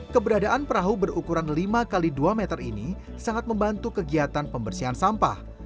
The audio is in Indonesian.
keberadaan perahu berukuran lima x dua meter ini sangat membantu kegiatan pembersihan sampah